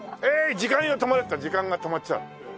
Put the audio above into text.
時間よ止まれ！」って言ったら時間が止まっちゃう。